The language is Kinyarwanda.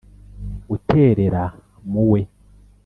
uterera mu we,